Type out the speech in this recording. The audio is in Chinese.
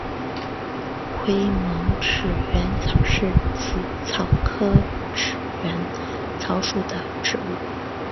灰毛齿缘草是紫草科齿缘草属的植物。